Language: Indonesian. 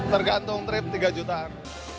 tergantung trip tiga jutaan